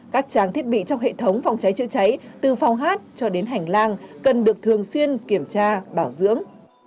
các trang thiết bị trong hệ thống phòng cháy chữa cháy từ phòng hát cho đến hành lang cần được thường xuyên kiểm tra bảo dưỡng